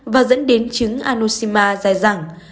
và dẫn đến chứng anosema dài dẳng